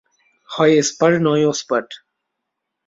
হয় এসপার নয় ওসপার।